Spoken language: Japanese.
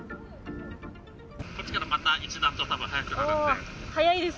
こっちからまた一段と速くなるんで。